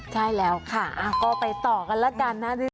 ใช่แล้วค่ะก็ไปต่อกันแล้วกันนะ